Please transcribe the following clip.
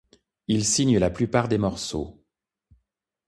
Il signe la plupart des morceaux.